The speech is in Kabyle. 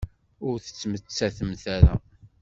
Ur tettmettatemt ara.